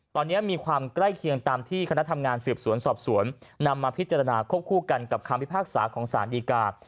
ตอนนี้มีความใกล้เคียงตามที่คณะทำงานสืบสวนสอบสวนนำมาพิจารณาควบคู่กันกับคำพิพากษาของสารดีกา